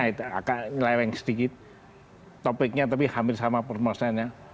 agak ngeleweng sedikit topiknya tapi hampir sama promosinya